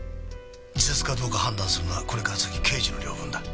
自殺かどうか判断するのはこれから先刑事の領分だ。